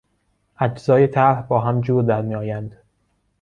اجزای طرح با هم جور در میآیند.